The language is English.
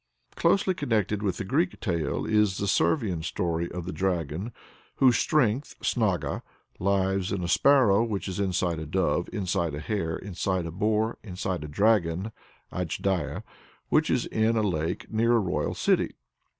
Closely connected with the Greek tale is the Servian story of the dragon whose "strength" (snaga) lies in a sparrow, which is inside a dove, inside a hare, inside a boar, inside a dragon (ajdaya) which is in a lake, near a royal city.